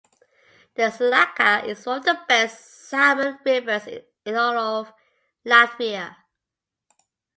The Salaca is one of the best salmon rivers in all of Latvia.